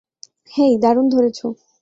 হেই, দারুণ ধরেছ।